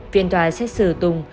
viện tòa xét xử tùng